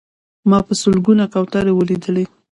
ما په سلګونه کوترې ولیدلې.